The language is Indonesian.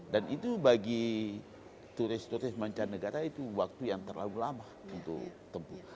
dan itu bagi turis turis mancanegara itu waktu yang terlalu lama untuk tempuh